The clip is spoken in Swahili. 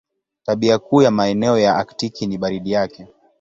Tabia kuu ya maeneo ya Aktiki ni baridi yake.